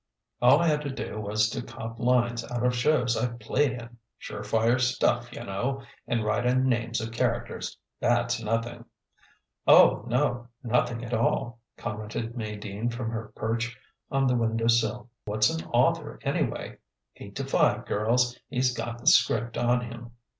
All I had to do was to cop lines out of shows I've played in sure fire stuff, yunno and write in names of characters. That's nothing." "Oh, no, nothin' at all!" commented May Dean from her perch on the window sill. "What's an author, anyway? Eight to five, girls, he's got the 'script on him.